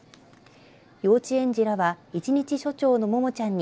幼稚園児らは一日署長のももちゃんに